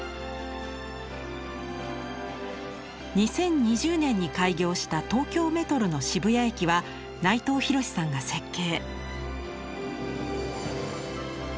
２０２０年に開業した東京メトロの渋谷駅は内藤廣さんが設計。